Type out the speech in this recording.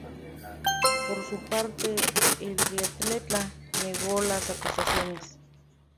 Por su parte, el triatleta negó las acusaciones.